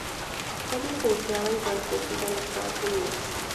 Fue licenciada y transmitida en Estados Unidos.